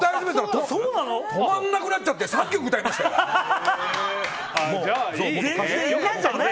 止まんなくなっちゃって３曲歌い出したよ。